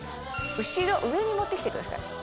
後ろ上に持ってきてください